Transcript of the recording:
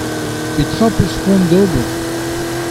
Petra hoc'h eus c'hoant da ober ?